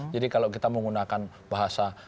jadi kalau kita menggunakan bahasa